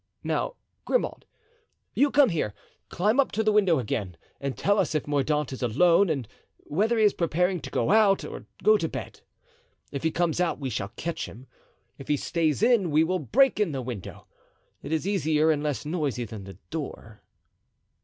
Now, Grimaud, you come here, climb up to the window again and tell us if Mordaunt is alone and whether he is preparing to go out or go to bed. If he comes out we shall catch him. If he stays in we will break in the window. It is easier and less noisy than the door."